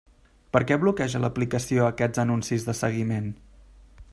Per què bloqueja l'aplicació aquests anuncis de seguiment?